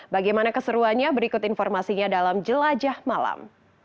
bagaimana keseruannya berikut informasinya dalam jelajah malam